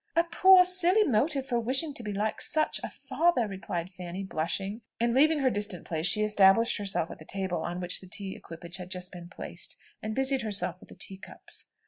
"A poor silly motive for wishing to be like such a father!" replied Fanny, blushing; and leaving her distant place, she established herself at the table on which the tea equipage had just been placed, and busied herself with the tea cups.